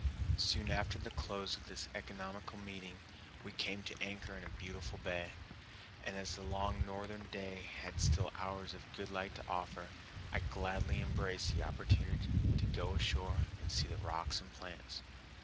Soon after the close of this economical meeting, we came to anchor in a beautiful bay, and as the long northern day had still hours of good light to offer, I gladly embraced the opportunity to go ashore to see the rocks and plants.